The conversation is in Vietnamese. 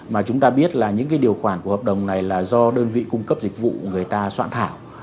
mà chúng ta biết là những điều khoản của hợp đồng này là do đơn vị cung cấp dịch vụ người ta soạn thảo